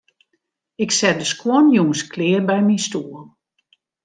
Ik set de skuon jûns klear by myn stoel.